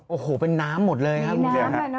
พี่บ๊วยโอ้โหเป็นน้ำหมดเลยครับ